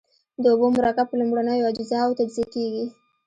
د اوبو مرکب په لومړنیو اجزاوو تجزیه کیږي.